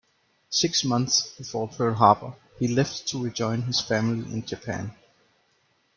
Six months before Pearl Harbor, he left to rejoin his family in Japan.